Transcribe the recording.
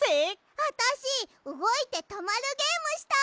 あたしうごいてとまるゲームしたい。